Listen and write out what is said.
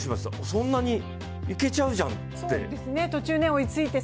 そんなにいけちゃうじゃん！